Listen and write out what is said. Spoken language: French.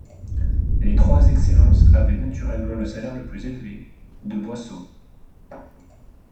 Les Trois excellences avait naturellement le salaire le plus élevé, de boisseaux.